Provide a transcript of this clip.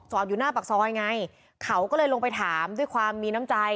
อยู่หน้าปากซอยไงเขาก็เลยลงไปถามด้วยความมีน้ำใจ